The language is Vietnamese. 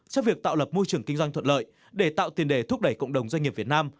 cho việc tạo lập môi trường kinh doanh thuận lợi để tạo tiền đề thúc đẩy cộng đồng doanh nghiệp việt nam